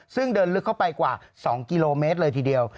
ซึ่งเดินลึกเข้าไปกว่า๒กิโลเมตรเลยทีเดียว